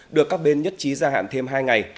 được các bên nhất trí gia hạn thêm hai ngày